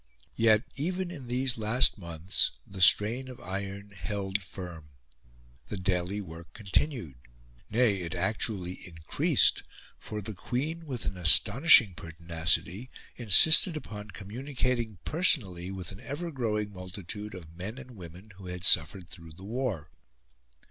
Yet, even in these last months, the strain of iron held firm. The daily work continued; nay, it actually increased; for the Queen, with an astonishing pertinacity, insisted upon communicating personally with an ever growing multitude of men and women who had suffered through the war.